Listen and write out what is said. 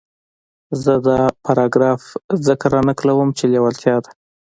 زه دا پاراګراف ځکه را نقلوم چې لېوالتیا ده.